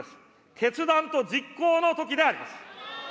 決断と実行のときであります。